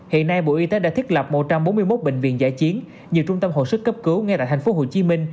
hiện nay bộ y tế đã thiết lập một trăm bốn mươi một bệnh viện giải chiến nhiều trung tâm hồi sức cấp cứu ngay tại tp hcm